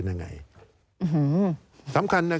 การเลือกตั้งครั้งนี้แน่